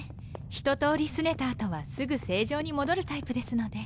ひと通りすねた後はすぐ正常に戻るタイプですので。